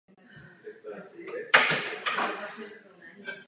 Byl dlouholetým předsedou Asociace hudebních umělců a vědců.